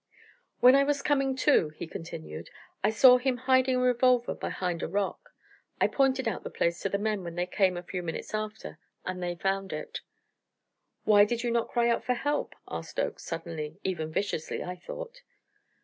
"When I was coming to," he continued, "I saw him hiding a revolver behind a rock. I pointed out the place to the men when they came a few moments after, and they found it." "Why did you not cry out for help?" asked Oakes suddenly, even viciously, I thought.